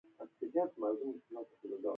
• ژړا کول د زړونو د درملنې لاره ده.